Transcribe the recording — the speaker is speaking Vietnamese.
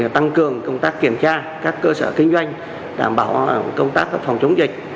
tăng cường công tác kiểm tra các cơ sở kinh doanh đảm bảo công tác phòng chống dịch